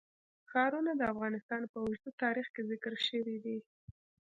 ښارونه د افغانستان په اوږده تاریخ کې ذکر شوی دی.